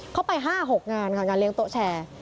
เข้าไป๕๖งานค่ะงานเลี้ยโต๊ะแชร์